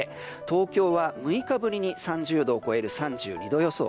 東京は６日ぶりに３０度を超える３２度予想。